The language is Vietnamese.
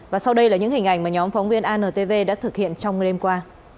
và sau đây là những hình ảnh mà nhóm phóng viên antv đã thực hiện trong đêm qua